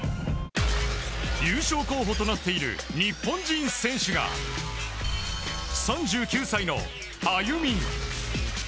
優勝候補となっている日本人選手が３９歳のＡＹＵＭＩ。